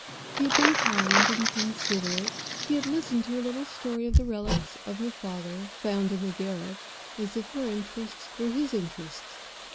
He had been kind and considerate; he had listened to her little story of the relics of her father, found in the garret, as if her interests were his interests.